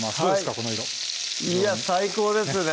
この色いや最高ですね